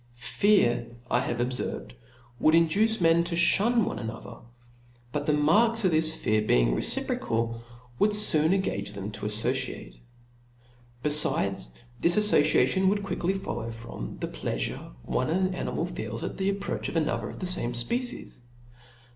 Fear, I have obferved, would induce men to ihun one another ; but the marks of this fear being reciprocal, would foon engage them to affociate. Befides, this aflociation would quickly follow from the very pleafure one animal feels at the approach of another of the fame fpecies.